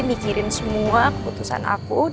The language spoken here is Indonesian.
mikirin semua keputusan aku